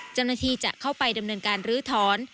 เจ้าหน้าที่จะเข้าไปดำเนินการลื้อถอน